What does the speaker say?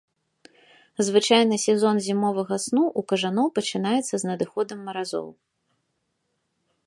Звычайна сезон зімовага сну ў кажаноў пачынаецца з надыходам маразоў.